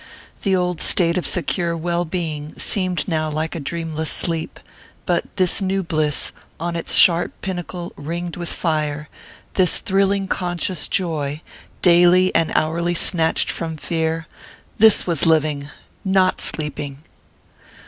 The old state of secure well being seemed now like a dreamless sleep; but this new bliss, on its sharp pinnacle ringed with fire this thrilling conscious joy, daily and hourly snatched from fear this was living, not sleeping!